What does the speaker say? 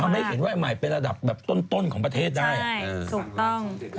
เขาได้เห็นว่าไอ้ใหม่เป็นระดับต้นของประเทศได้ใช่ถูกต้อง